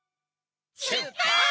しゅっぱつ！